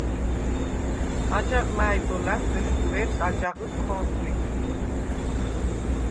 აჯაღ მა̄̈ჲ დო ლა̈სვ, ეშხუ ვერს აჯაღჷდ ქო̄ნჴვიდდ.